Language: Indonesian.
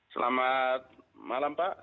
selamat malam pak